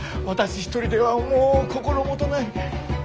私一人ではもう心もとない。